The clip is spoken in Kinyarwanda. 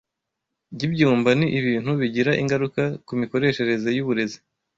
byibyumba ni ibintu bigira ingaruka kumikoreshereze yuburezi